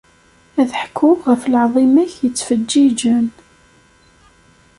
Ad ḥekkuɣ ɣef lɛaḍima-k yettfeǧǧiǧen.